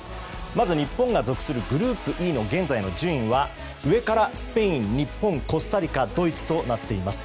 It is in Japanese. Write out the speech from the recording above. まず日本が属するグループＥの現在の順位は上からスペイン、日本コスタリカ、ドイツです。